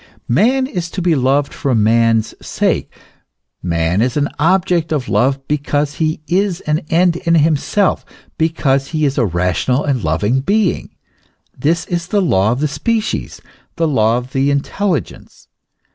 Man is to be loved for man's sake. Man is an object of love because he is an end in himself, because he is a rational and loving being. This is the law of the species, the law of the intelligence.